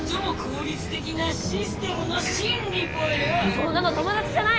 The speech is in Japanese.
そんなの友だちじゃない！